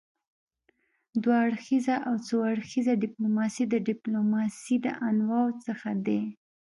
دوه اړخیزه او څو اړخیزه ډيپلوماسي د ډيپلوماسي د انواعو څخه دي.